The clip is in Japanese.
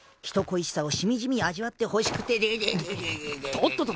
人恋しさをしみじみ味わってほしくてででででっ！